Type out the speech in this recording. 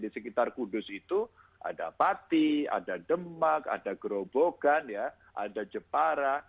di sekitar kudus itu ada pati ada demak ada gerobogan ada jepara